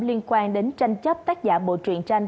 liên quan đến tranh chấp tác giả bộ truyện tranh